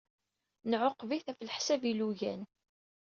Nɛuqeb-it ɣef leḥsab n yilugan.